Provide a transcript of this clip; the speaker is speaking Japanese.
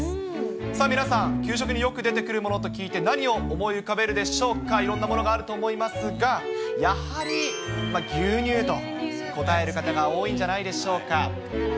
さあ皆さん、給食によく出てくるものと聞いて、何を思い浮かべるでしょうか、いろんなものがあると思いますが、やはり、牛乳と答える方が多いんじゃないんでしょうか。